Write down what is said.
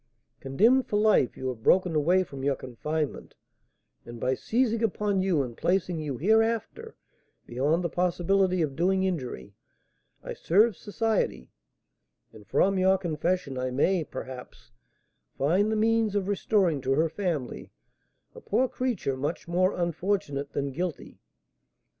Condemned for life, you have broken away from your confinement, and by seizing upon you and placing you hereafter beyond the possibility of doing injury, I serve society; and from your confession I may, perhaps, find the means of restoring to her family a poor creature much more unfortunate than guilty.